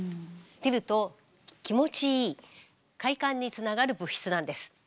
出ると気持ちいい快感につながる物質なんです。